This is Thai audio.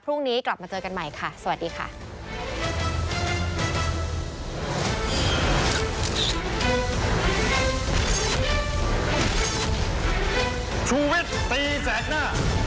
พรุ่งนี้กลับมาเจอกันใหม่ค่ะสวัสดีค่ะ